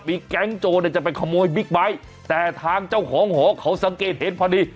มีแก๊งโจรเนี่ยจะไปขโมยบิ๊กไบท์แต่ทางเจ้าของหอเขาสังเกตเห็นพอดี